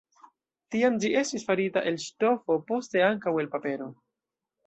Tiam ĝi estis farita el ŝtofo, poste ankaŭ el papero.